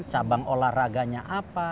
cabang olahraganya apa